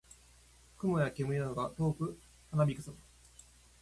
雲や煙などが遠くたなびくさま。